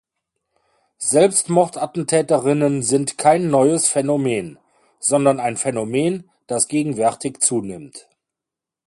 Selbstmordattentäterinnen sind kein neues Phänomen, sondern ein Phänomen, das gegenwärtig zunimmt.